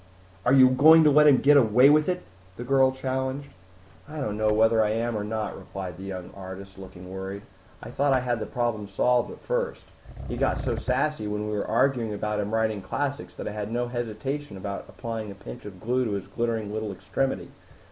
"Are you going to let him get away with it?" the girl challenged. "I don't know whether I am or not," replied the young artist, looking worried. "I thought I had the problem solved at first. He got so sassy when we were arguing about him writing classics that I had no hesitation about applying a pinch of glue to his glittering little extremity.